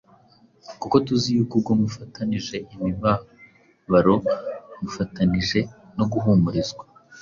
kuko tuzi yuko ubwo mufatanije imibabaro mufatanije no guhumurizwa.